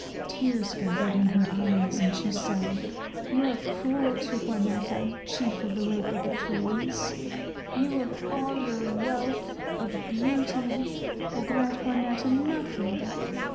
Tears gathered in her eyes, and she said: "You are cruel to Juanetta, Chief of the Lake of the Tulies. You of all your wealth of beauty, will grant Juanetta nothing.